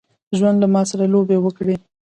ژوند له ماسره لوبي وکړي.